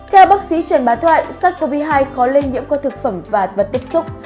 theo bác sĩ trần bá thoại sars cov hai khó lây nhiễm qua thực phẩm và vật tiếp xúc